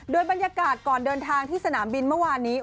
โดยบรรยากาศก่อนเดินทางที่สนามบินเมื่อวานนี้